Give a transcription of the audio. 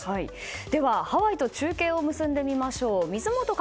ではハワイと中継を結んでみましょう。